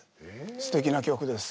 すてきな曲です。